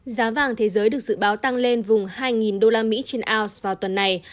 giá vàng thế giới được dự báo tăng lên vùng hai usd trên ounce vào tuần này